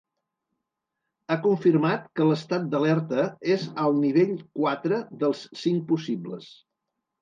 Ha confirmat que l’estat d’alerta és al nivell quatre dels cinc possibles.